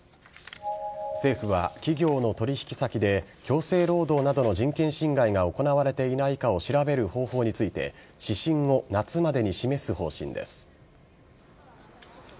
政府は企業の取り引き先で、強制労働などの人権侵害が行われていないかを調べる方法について、指針を夏までに示す方針です。